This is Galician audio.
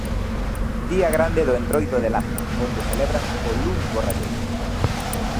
Día grande do Entroido de Laza onde celebran o Luns Borralleiro.